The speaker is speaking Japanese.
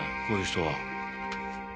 こういう人は。